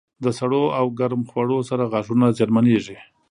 د سړو او ګرم خوړو سره غاښونه زیانمنېږي.